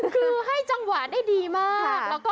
คือให้จังหวะได้ดีมาก